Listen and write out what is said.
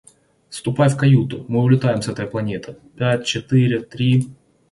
Ступай в каюту, мы улетаем с этой планеты. Пять-четыре-три...